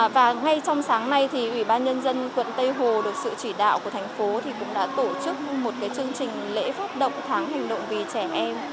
và ngay trong sáng nay thì ủy ban nhân dân quận tây hồ được sự chỉ đạo của thành phố thì cũng đã tổ chức một chương trình lễ phát động tháng hành động vì trẻ em